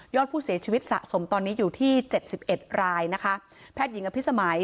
ผู้เสียชีวิตสะสมตอนนี้อยู่ที่เจ็ดสิบเอ็ดรายนะคะแพทย์หญิงอภิษมัย